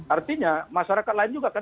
artinya masyarakat lain juga kan